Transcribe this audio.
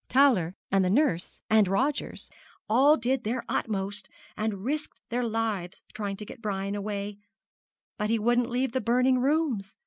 Towler and the nurse, and Rogers, all did their uttermost, and risked their lives trying to get Brian away; but he wouldn't leave the burning rooms.